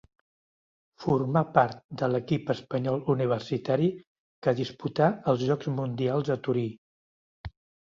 Formà part de l'equip espanyol universitari que disputà els Jocs Mundials a Torí.